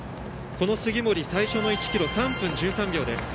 杉森、最初の１ｋｍ３分１３秒です。